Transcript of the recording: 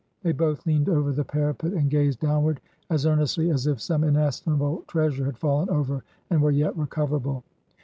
They both leaned over the parapet, and gazed downward as earnestly as if some inestimable treasure had fallen over and were yet recoverable.